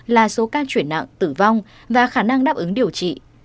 là số ca chuyển nặng tử vong và khả năng đáp ứng điều trị